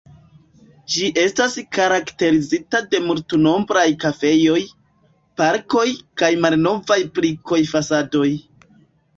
Ĝi estas karakterizita de multnombraj kafejoj, parkoj kaj malnovaj brikoj fasadoj.